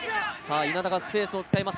稲田がスペースを使います。